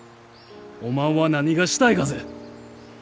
おまんは何がしたいがぜ？